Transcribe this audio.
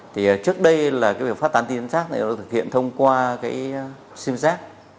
thì trước đây là cái việc phát tán tin nhắn rác thì nó được thực hiện thông qua cái sim rác